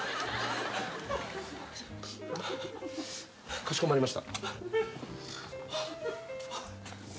かしこまりました。